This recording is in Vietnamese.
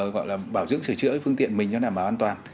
gọi là bảo dưỡng sửa chữa phương tiện mình cho đảm bảo an toàn